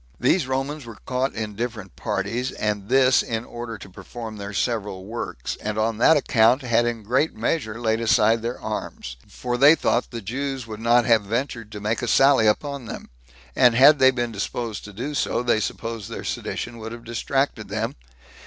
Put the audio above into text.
These Romans were caught in different parties, and this in order to perform their several works, and on that account had in great measure laid aside their arms; for they thought the Jews would not have ventured to make a sally upon them; and had they been disposed so to do, they supposed their sedition would have distracted them.